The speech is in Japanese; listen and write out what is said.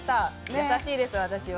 優しいです、私は。